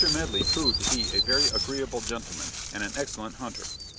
Medley proved to be a very agreeable gentleman and an excellent hunter.